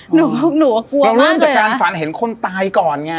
หนูก็กลัวมากเลยนะเราเริ่มจากการฝันเห็นคนตายก่อนไง